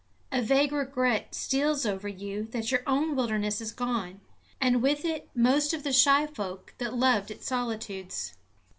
A vague regret steals over you that our own wilderness is gone, and with it most of the shy folk that loved its solitudes.